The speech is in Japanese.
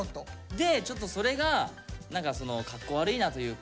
ちょっとそれがかっこ悪いなというか。